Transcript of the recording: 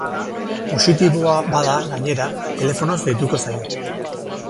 Positiboa bada, gainera, telefonoz deituko zaio.